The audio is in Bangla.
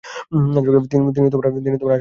তিনি আসামের শিক্ষামন্ত্রী ছিলেন।